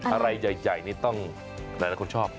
อะไรใหญ่นี่ต้องหลายคนชอบ